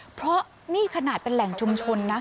เพราะนี่ขนาดเป็นแหล่งชุมชนนะ